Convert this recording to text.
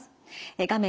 画面